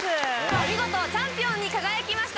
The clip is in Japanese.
見事チャンピオンに輝きました